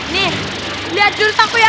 nih lihat jurutaku ya